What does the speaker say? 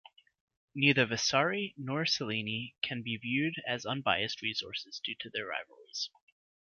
Neither Vasari, nor Cellini can be viewed as unbiased resources due to their rivalries.